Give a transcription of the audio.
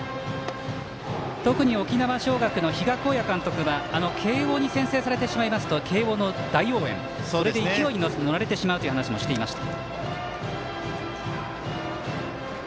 特に沖縄尚学の比嘉公也監督は慶応に先制されてしまいますと慶応の大応援で勢いに乗られてしまうというお話をしていました。